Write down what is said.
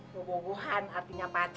bobo bohan artinya pacaran aja